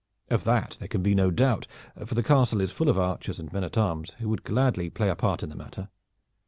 "Of that there can be no doubt, for the castle is full of archers and men at arms who would gladly play a part in the matter."